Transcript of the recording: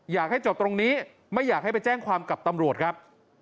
อยากให้จบตรงนี้ไม่อยากให้ไปแจ้งความกับตำรวจครับ